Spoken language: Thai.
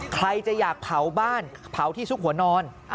ใครจะอยากเผาบ้านเผาที่ซุกหัวนอน